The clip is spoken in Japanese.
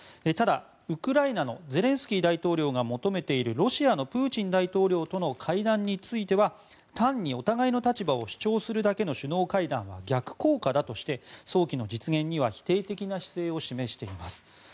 ただ、ウクライナのゼレンスキー大統領が求めているロシアのプーチン大統領との会談については単にお互いの立場を主張するだけの首脳会談は逆効果だとして早期の実現には否定的な姿勢を示しています。